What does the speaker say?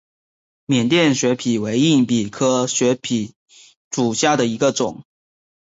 缅甸血蜱为硬蜱科血蜱属下的一个种。